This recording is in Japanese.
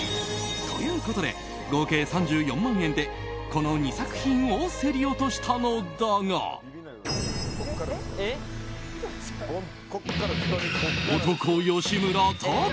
ということで、合計３４万円でこの２作品を競り落としたのだが男・吉村崇